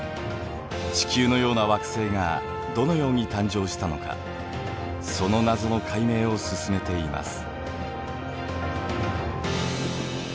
地球のような惑星がどのように誕生したのかその謎の解明を進めています。